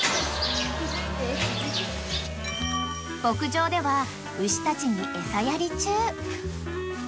［牧場では牛たちに餌やり中］